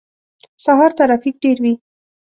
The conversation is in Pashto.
سهار ترافیک ډیر وی